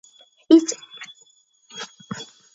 It is also normal to wear academic gowns.